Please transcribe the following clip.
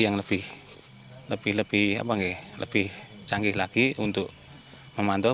yang lebih canggih lagi untuk memantau